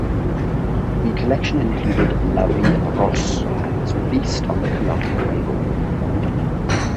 The collection included "La Vie en rose" and was released on the Columbia label.